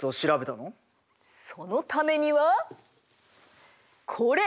そのためにはこれ！